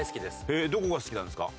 へえどこが好きなんですか？